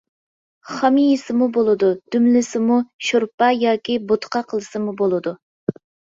خام يېسىمۇ بولىدۇ، دۈملىسىمۇ، شورپا ياكى بوتقا قىلسىمۇ بولىدۇ.